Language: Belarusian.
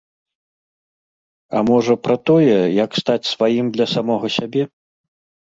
А можа, пра тое, як стаць сваім для самога сябе.